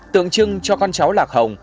tượng trưng cho con cháu lạc hồng